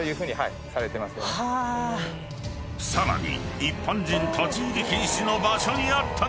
［さらに］